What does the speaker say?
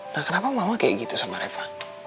nah kenapa mau kayak gitu sama reva